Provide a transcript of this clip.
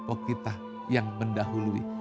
o kita yang mendahului